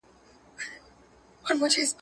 تا چې پلورلې په شیطان وې هغه دواړه مټې